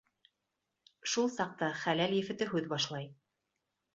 Шул саҡта хәләл ефете һүҙ башлай: